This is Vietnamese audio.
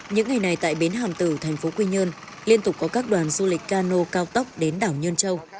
những ngày này tại bến hàm tử thành phố quy nhơn liên tục có các đoàn du lịch cano cao tốc đến đảo nhơn châu